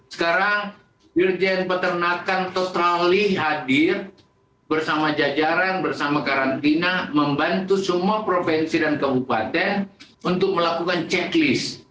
sekarang dirjen peternakan totally hadir bersama jajaran bersama karantina membantu semua provinsi dan kabupaten untuk melakukan checklist